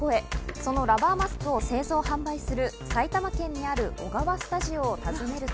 そのラバーマスクを製造販売する埼玉県にあるオガワスタジオを訪ねると。